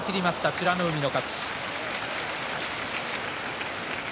美ノ海の勝ち。